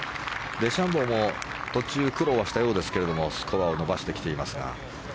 デシャンボーも途中、苦労したようですがスコアを伸ばしてきています。